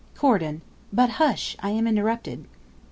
Corydon. But hush: I am interrupted.